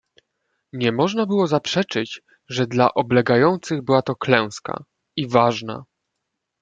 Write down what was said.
"Nie można było zaprzeczyć, że dla oblegających była to klęska, i ważna."